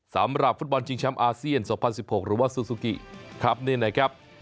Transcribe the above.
สำหรับฟุตบอลชิงแชมป์อาเซียน๒๐๑๖หรือว่าซูซูกิครับนี่นะครับ